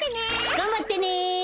がんばってね！